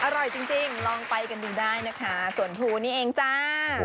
อร่อยจริงลองไปกันดูได้นะคะสวนภูนี่เองจ้า